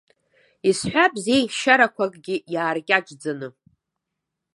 Исҳәап зеиӷьашьарақәакгьы иааркьаҿӡаны.